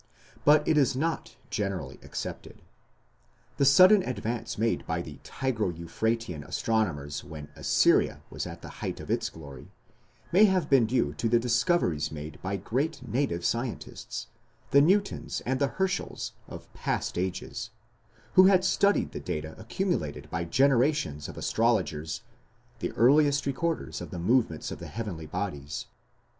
But it is not generally accepted. The sudden advance made by the Tigro Euphratean astronomers when Assyria was at the height of its glory, may have been due to the discoveries made by great native scientists, the Newtons and the Herschels of past ages, who had studied the data accumulated by generations of astrologers, the earliest recorders of the movements of the heavenly bodies.